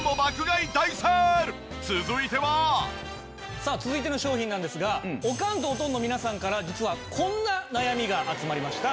さあ続いての商品なんですがおかんとおとんの皆さんから実はこんな悩みが集まりました。